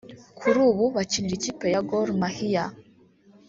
kuri ubu bakinira ikipe ya Gor Mahia